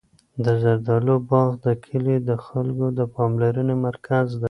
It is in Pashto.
د زردالو باغ د کلي د خلکو د پاملرنې مرکز دی.